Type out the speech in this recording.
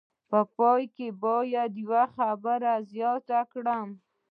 په پای کې باید یوه خبره زیاته کړم.